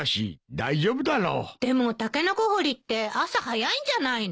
でもタケノコ掘りって朝早いんじゃないの？